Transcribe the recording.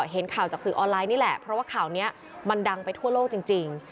เห็นข่าวจากสื่อออนไลน์นี่แหละเพราะว่าข่าวนี้มันดังไปทั่วโลกจริง